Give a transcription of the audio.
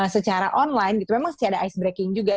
secara online gitu memang sih ada icebreaking juga